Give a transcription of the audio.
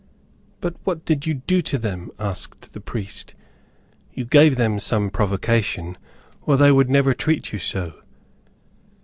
"But what did you do to them?" asked the priest "You gave them some provocation, or they never would treat you so."